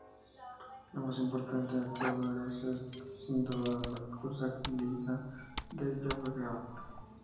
La más importante de todas es sin duda la Cursa Ciclista del Llobregat.